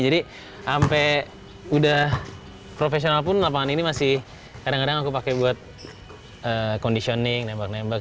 sampai udah profesional pun lapangan ini masih kadang kadang aku pakai buat conditioning nembak nembak